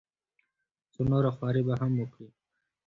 څه نوره خواري به هم وکړي.